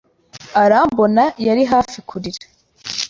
Irambona yari hafi kurira.